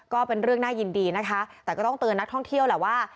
ก็เป็นเรื่องน่ายินดีนะคะแต่ก็ต้องเตือนนักท่องเที่ยวแหละว่า